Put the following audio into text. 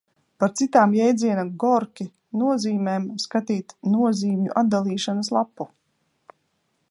Par citām jēdziena Gorki nozīmēm skatīt nozīmju atdalīšanas lapu.